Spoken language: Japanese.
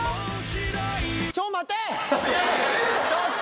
ちょっと待てって